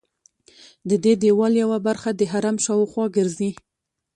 ددې دیوال یوه برخه د حرم شاوخوا ګرځي.